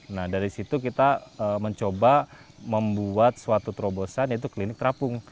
nah dari situ kita mencoba membuat suatu terobosan yaitu klinik terapung